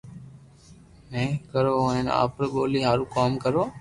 مون ڪرو ھين آپرو ٻولي ھارون ڪوم ڪرو